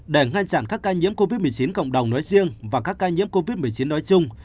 để ngăn chặn các ca nhiễm covid một mươi chín cộng đồng nói riêng và các ca nhiễm covid một mươi chín nói chung